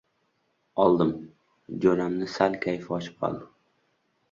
oldim, — jo‘ramni sal kayfi oshib qoldi.